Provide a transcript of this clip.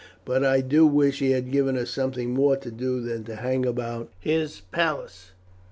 But I do wish he had given us something more to do than to hang about his palace."